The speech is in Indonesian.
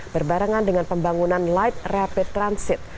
berbarengan dengan pembangunan light rapid transit